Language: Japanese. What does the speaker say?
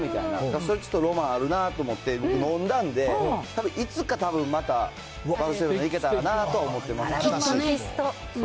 それちょっとロマンあるなと思って、僕、飲んだんで、いつかたぶん、またバルセロナ行けたらなと思ってます。